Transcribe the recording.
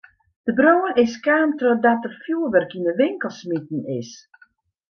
De brân is kaam trochdat der fjurwurk yn de winkel smiten is.